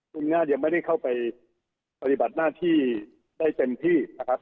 คุณแม่ยังไม่ได้เข้าไปปฏิบัติหน้าที่ได้เต็มที่นะครับ